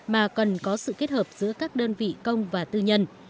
mà cần có sự kết hợp giữa các đơn vị công và tư nhân